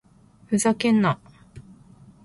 ふざけんな！